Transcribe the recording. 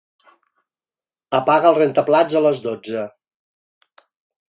Apaga el rentaplats a les dotze.